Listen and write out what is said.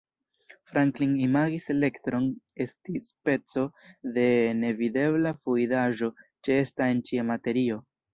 Franklin imagis elektron esti speco de nevidebla fluidaĵo ĉeesta en ĉia materio.